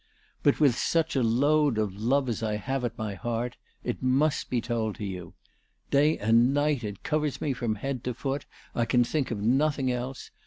But with such a load of love as I have at my heart, it must be told to you. Day and night it covers me from head to foot. I can think of nothing else.